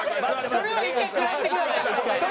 それは一回食らってください。